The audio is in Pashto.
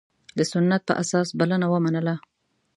د سنت په اساس بلنه ومنله.